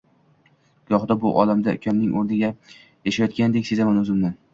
Gohida bu olamda ukamning oʻrniga yashayotgandek sezaman oʻzimni.